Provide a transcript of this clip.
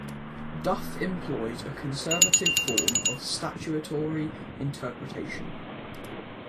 Duff employed a conservative form of statutory interpretation.